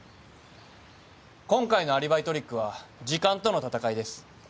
今回のアリバイトリックは時間との闘いです。